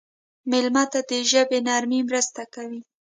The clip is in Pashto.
مېلمه ته د ژبې نرمي مرسته کوي.